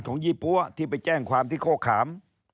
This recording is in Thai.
ยี่ปั๊วที่ไปแจ้งความที่โคขาม